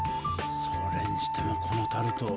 それにしてもこのタルト